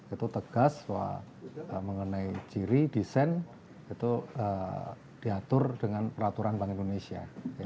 itu tegas bahwa mengenai ciri desain itu diatur dengan peraturan bank indonesia